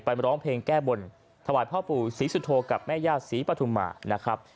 มาร้องเพลงแก้บนถวายพ่อปู่ศรีสุโธกับแม่ย่าศรีปฐุมานะครับ